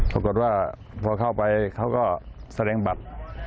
ปรากฏว่าพอเข้าไปเขาก็แสดงบัตร